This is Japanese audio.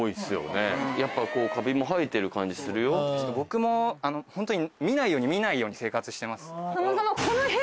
僕もホントに。